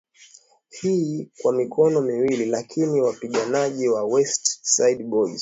hii kwa mikono miwili lakini wapiganaji wa West Side Boys